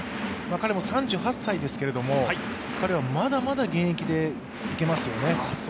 彼も３８歳ですけれども、まだまだ現役でいけますよね。